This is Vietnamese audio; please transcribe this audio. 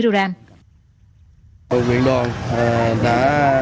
tổng nguyện đoàn đã